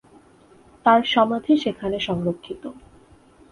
তার সমাধি সেখানে সংরক্ষিত।